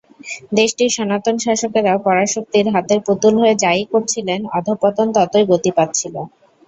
দেশটির সনাতন শাসকেরা পরাশক্তির হাতের পুতুল হয়ে যা-ই করছিলেন, অধঃপতন ততই গতি পাচ্ছিল।